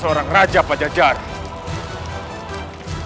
seorang raja pajajara